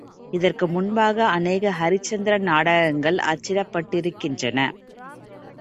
இதற்கு முன்பாக அநேக ஹரிச்சந்திர நாடகங்கள் அச்சிடப்பட்டிருக்கின்றன.